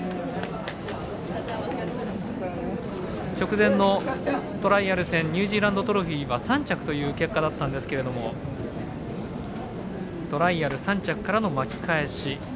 直前のトライアル戦ニュージーランドトロフィーは３着という結果だったんですけれどもトライアル３着からの巻き返し。